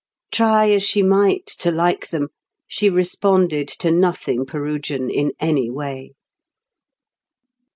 Try as she might to like them, she responded to nothing Perugian in any way.